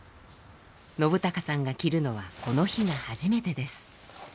信朗さんが着るのはこの日が初めてです。